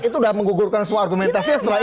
itu udah menggugurkan semua argumentasinya setelah ini